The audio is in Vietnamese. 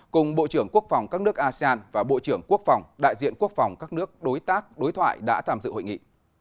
cùng bộ trưởng quốc phòng các nước asean và bộ trưởng quốc phòng đại diện quốc phòng các nước đối tác đối thoại đã tham dự hội nghị